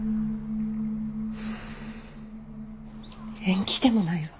縁起でもないわ。